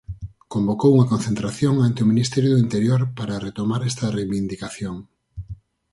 Convocou unha concentración ante o Ministerio do Interior para retomar esta reivindicación.